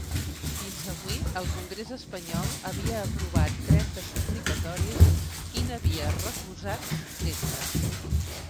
Fins avui, el congrés espanyol havia aprovat trenta suplicatoris i n’havia refusats tretze.